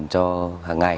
cho hằng ngày